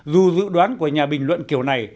dù dự đoán của nhà bình luận kiểu này